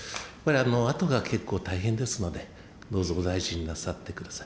あとが結構大変ですので、どうぞ、お大事になさってください。